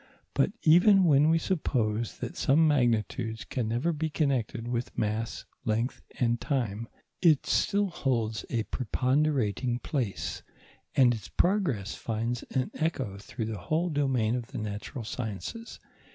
But even when we suppose that some magnitudes can never be connected with mass, length, and time, it still holds a preponderating place, and its progress finds an echo throughout the whole domain of the natural sciences.